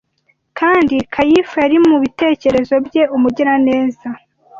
Kandi Kayifa yari mu bitekerezo bye Umugiraneza